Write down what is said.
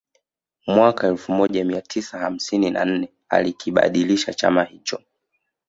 Mwaka elfu moja mia tisa hamsini na nne alikibadilisha chama hicho